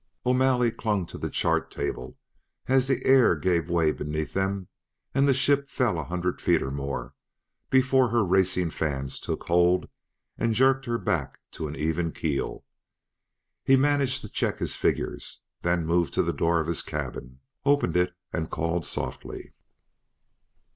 O'Malley clung to the chart table as the air gave way beneath them and the ship fell a hundred feet or more before her racing fans took hold and jerked her back to an even keel. He managed to check his figures, then moved to the door of his cabin, opened it and called softly.